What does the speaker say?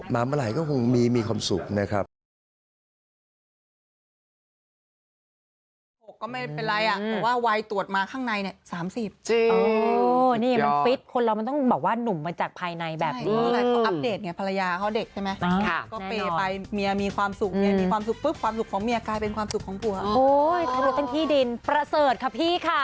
เมื่อไหร่ก็คงมีความสุขนะครับ